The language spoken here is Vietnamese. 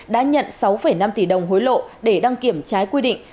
đã nhận sáu năm tỷ đồng hối lộ để đăng kiểm trái quy định